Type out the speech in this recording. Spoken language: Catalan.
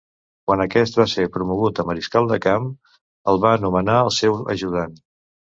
Quan aquest va ser promogut a mariscal de camp, el va nomenar el seu ajudant.